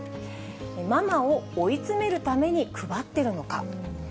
ママを追い詰めるために配ってるのか。